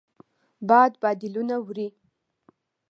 باد بادلونه وړي